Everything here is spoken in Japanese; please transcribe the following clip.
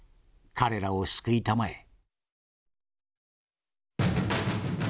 彼らを救いたまえ」。